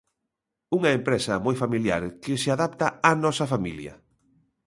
Unha empresa moi familiar, que se adapta á nosa familia.